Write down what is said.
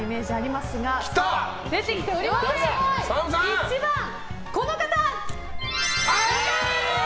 １番、この方！